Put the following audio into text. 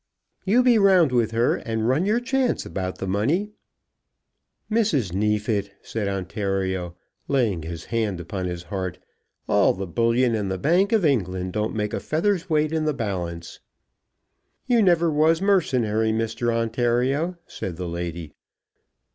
"You be round with her, and run your chance about the money." "Mrs. Neefit," said Ontario, laying his hand upon his heart, "all the bullion in the Bank of England don't make a feather's weight in the balance." "You never was mercenary, Mr. Ontario," said the lady.